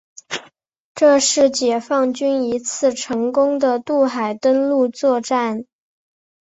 这是解放军一次成功的渡海登陆作战。